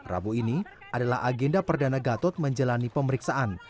rabu ini adalah agenda perdana gatot menjalani pemeriksaan